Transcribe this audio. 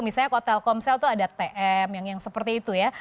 misalnya kalau telkomsel tuh ada tm yang seperti itu ya